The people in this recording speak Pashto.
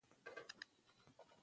که روغتیا وي نو غیر حاضري نه وي.